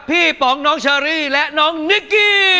ป๋องน้องเชอรี่และน้องนิกกี้